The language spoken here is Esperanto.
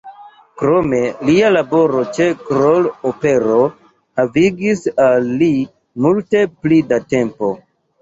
Krome lia laboro ĉe Kroll-opero havigis al li multe pli da tempo.